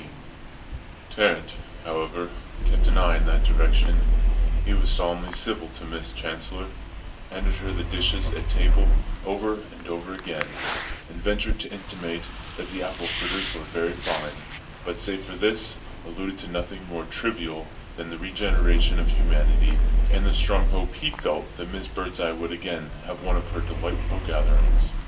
XV Tarrant, however, kept an eye in that direction; he was solemnly civil to Miss Chancellor, handed her the dishes at table over and over again, and ventured to intimate that the apple fritters were very fine; but, save for this, alluded to nothing more trivial than the regeneration of humanity and the strong hope he felt that Miss Birdseye would again have one of her delightful gatherings.